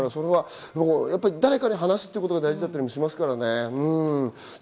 誰かに話すことが大事だったりしますからね。